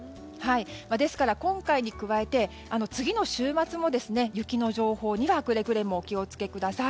ですから、今回に加えて次の週末も雪の情報にはくれぐれもお気を付けください。